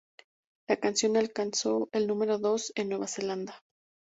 La canción alcanzó el número dos en Nueva Zelanda.